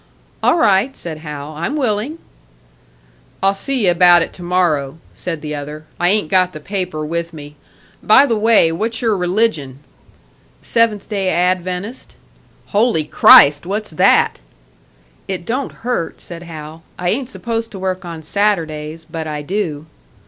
"All right," said Hal, "I'm willing." "I'll see you about it to morrow," said the other. "I ain't got the paper with me. By the way, what's your religion?" "Seventh Day Adventist." "Holy Christ! What's that?" "It don't hurt," said Hal. "I ain't supposed to work on Saturdays, but I do."